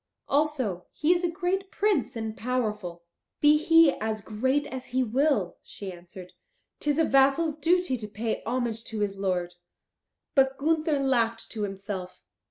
Also he is a great prince and a powerful." "Be he as great as he will," she answered, "'tis a vassal's duty to pay homage to his lord." But Gunther laughed to himself.